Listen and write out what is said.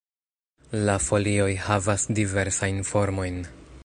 La folioj havas diversajn formojn.